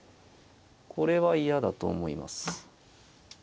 これは嫌だと思います。